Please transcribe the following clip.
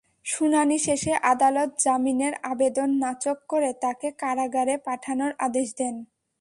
শুনানি শেষে আদালত জামিনের আবেদন নাকচ করে তাঁকে কারাগারে পাঠানোর আদেশ দেন।